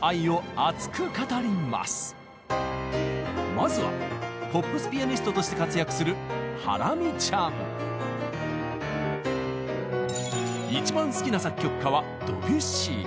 まずはポップスピアニストとして活躍する一番好きな作曲家はドビュッシー。